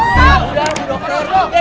sudah duduk sudah duduk